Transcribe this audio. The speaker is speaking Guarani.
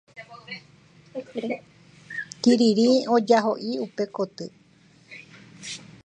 Kirirĩ ojahoʼi upe koty.